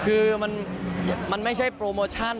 คือมันไม่ใช่โปรโมชั่น